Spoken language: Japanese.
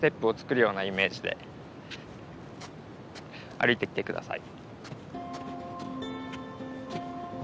歩いてきて下さい。